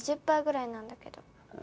パーぐらいなんだけど。